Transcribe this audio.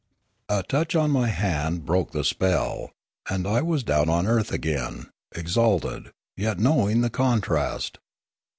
A touch on my hand broke the spell, and I was down on earth again, exalted, yet knowing the contrast.